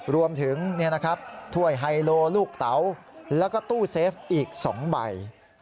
ถ้วยไฮโลลูกเต๋าแล้วก็ตู้เซฟอีก๒ใบ